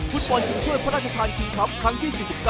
ฟุตบอลชิงถ้วยพระราชทานคิงคลับครั้งที่๔๙